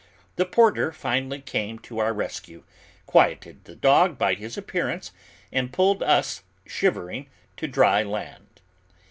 The porter finally came to our rescue, quieted the dog by his appearance, and pulled us, shivering, to dry land.